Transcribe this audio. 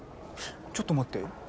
ちょっと待って。